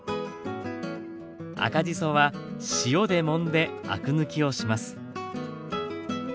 赤じそは塩でもんでアク抜きをします。